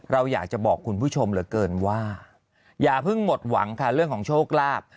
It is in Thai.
เราอยากจะบอกคุณผู้ชมเหลือเกินว่าอย่าเพิ่งหมดหวังค่ะเรื่องของโชคลาภ